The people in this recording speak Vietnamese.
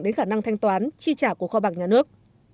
đến khả năng thanh toán chi trả của kho bạc nhà nước